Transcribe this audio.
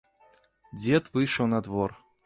Дзед выйшаў на двор.